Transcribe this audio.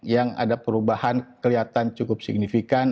yang ada perubahan kelihatan cukup signifikan